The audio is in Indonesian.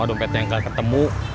sama dompetnya yang gak ketemu